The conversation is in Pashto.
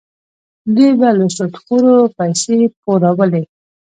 دوی به له سودخورو پیسې پورولې.